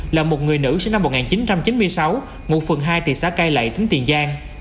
là một người nữ sinh năm một nghìn chín trăm chín mươi sáu ngụ phường hai thị xã cai lậy tỉnh tiền giang